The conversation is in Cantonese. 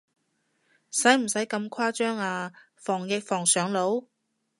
使唔使咁誇啊，防疫防上腦？